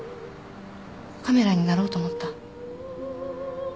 カメラになろうと思った。